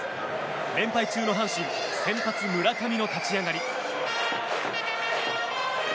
連敗中の阪神先発、村上の立ち上がり。